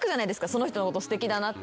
その人のことすてきだなって。